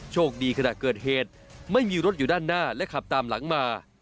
คดีขณะเกิดเหตุไม่มีรถอยู่ด้านหน้าและขับตามหลังมา